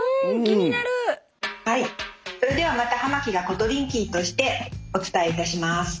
それではまた濱木がコトリンキーとしてお伝えいたします。